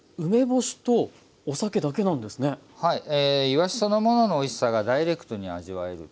いわしそのもののおいしさがダイレクトに味わえる。